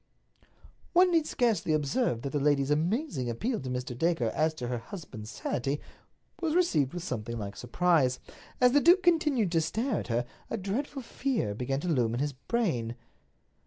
One need scarcely observe that the lady's amazing appeal to Mr. Dacre as to her husband's sanity was received with something like surprise. As the duke continued to stare at her, a dreadful fear began to loom in his brain.